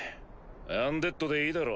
「アンデッド」でいいだろ。